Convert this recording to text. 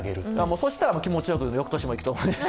そうしたら気持ちよく、よくとしも行くと思います。